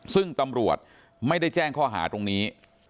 ซึ่งตำรวจไม่ได้แจ้งข้อหาตรงนี้